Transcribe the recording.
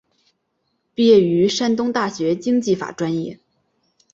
毕业于山东大学经济法专业。